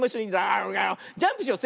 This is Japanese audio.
ジャンプしよう。